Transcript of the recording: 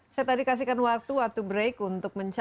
saya tadi kasihkan waktu waktu break untuk mencari